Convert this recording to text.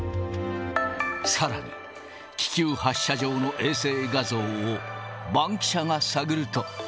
さらに、気球発射場の衛星画像をバンキシャが探ると。